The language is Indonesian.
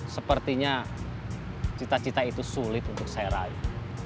sepertinya cita cita itu sulit untuk saya raih